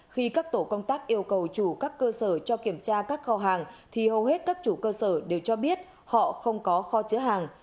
khi các tổ công tác yêu cầu chủ các cơ sở cho kiểm tra các kho hàng thì hầu hết các chủ cơ sở đều cho biết họ không có kho chứa hàng